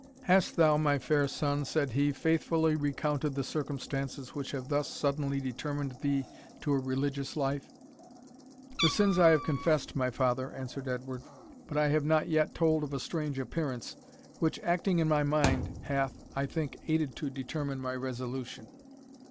"Hast thou, my fair son," said he, "faithfully recounted the circumstances which have thus suddenly determined thee to a religious life?" "The sins I have confessed, my father," answered Edward, "but I have not yet told of a strange appearance, which, acting in my mind, hath, I think, aided to determine my resolution."